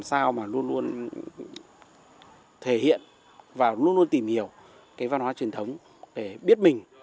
sao mà luôn luôn thể hiện và luôn luôn tìm hiểu cái văn hóa truyền thống để biết mình